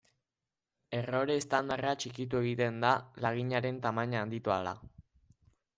Errore estandarra txikitu egiten da laginaren tamaina handitu ahala.